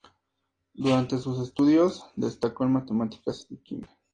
Durante sus estudios, destacó en matemáticas y química.